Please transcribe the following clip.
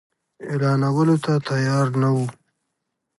اعلانولو ته تیار نه وو.